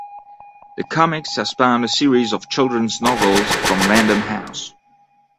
The comics have spawned a series of children's novels from Random House.